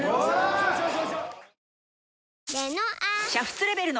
よしよし！